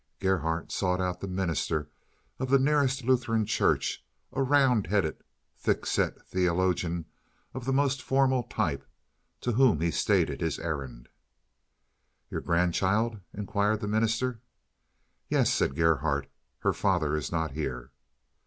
Gerhardt sought out the minister of the nearest Lutheran church, a round headed, thick set theologian of the most formal type, to whom he stated his errand. "Your grandchild?" inquired the minister. "Yes," said Gerhardt, "her father is not here."